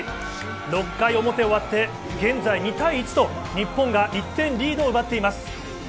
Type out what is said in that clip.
６回表が終わって現在２対１と日本が１点リードを奪っています。